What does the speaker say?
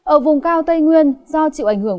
ở vùng cao tây nguyên do chịu ảnh hưởng